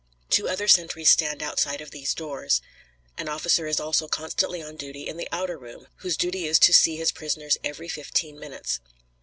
Two other sentries stand outside of these doors. An officer is also constantly on duty in the outer room, whose duty is to see his prisoners every fifteen minutes.